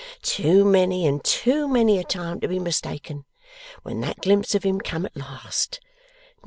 Too many and too many a time to be mistaken, when that glimpse of him come at last!